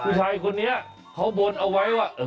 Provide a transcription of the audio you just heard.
ผู้ชายคนนี้เขาบนเอาไว้ว่า